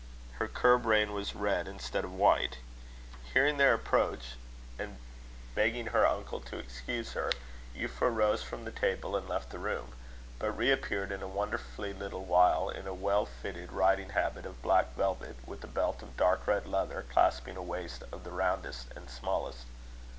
Her curb rein was red instead of white. Hearing their approach, and begging her uncle to excuse her, Euphra rose from the table, and left the room; but re appeared in a wonderfully little while, in a well fitted riding habit of black velvet, with a belt of dark red leather clasping a waist of the roundest and smallest.